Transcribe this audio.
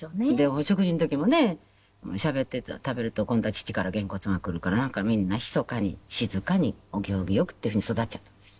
お食事の時もねしゃべって食べると今度は父からげんこつがくるからなんかみんなひそかに静かにお行儀良くっていう風に育っちゃったんです。